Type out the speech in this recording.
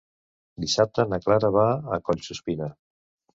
Dissabte na Clara va a Collsuspina.